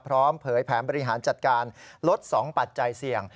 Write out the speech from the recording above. เผยแผนบริหารจัดการลด๒ปัจจัยเสี่ยง